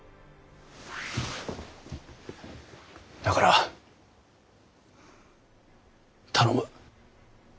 だから頼む。